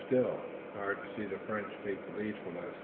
Still, it's hard to see the French take the lead from us.